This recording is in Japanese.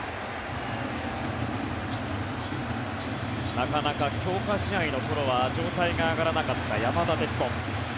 なかなか強化試合の頃は状態が上がらなかった山田哲人。